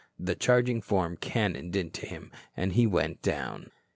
The charging form cannoned into him, and he went down.